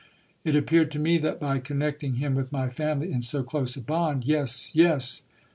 It appeared to me that by connecting him with my family in so close a bond Yes, yes